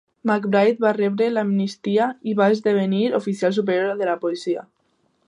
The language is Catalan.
McBride va rebre l'amnistia i va esdevenir oficial superior de policia.